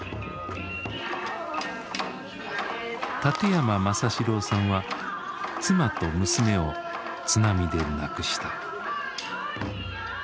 館山政四郎さんは妻と娘を津波で亡くした。